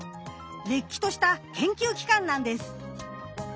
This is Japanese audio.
れっきとした研究機関なんです。